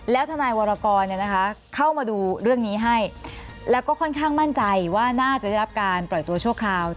แล้วทนายวรกรเข้ามาดูเรื่องนี้ให้แล้วก็ค่อนข้างมั่นใจว่าน่าจะได้รับการปล่อยตัวชั่วคราว